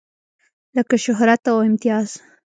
لکه شهرت او امتياز.